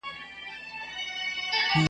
خدای په ټولوحیوانانو کی نادان کړم .